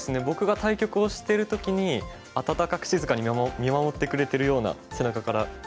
僕が対局をしてる時に温かく静かに見守ってくれてるような背中から。